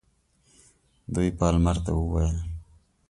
دوی پالمر ته وویل.